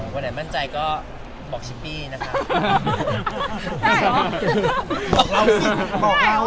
วันไหนมั่นใจก็บอกชิปปี้นะครับ